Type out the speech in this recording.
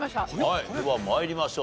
はいでは参りましょう。